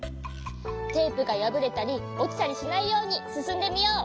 テープがやぶれたりおちたりしないようにすすんでみよう！